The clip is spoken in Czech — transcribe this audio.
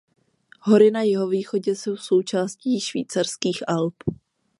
Hory na jihovýchodě jsou součástí Švýcarských Alp.